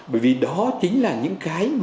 bởi vì đó chính là những cái mà nó đang mù mở